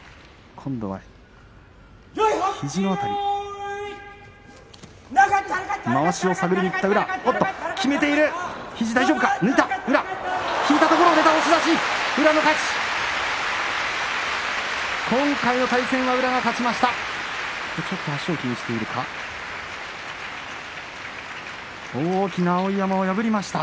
今回の対戦は宇良が勝ちました。